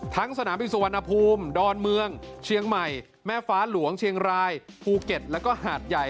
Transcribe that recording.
สนามบินสุวรรณภูมิดอนเมืองเชียงใหม่แม่ฟ้าหลวงเชียงรายภูเก็ตแล้วก็หาดใหญ่